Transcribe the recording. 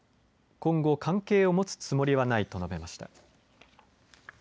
今後、関係を持つつもりはないと述べました。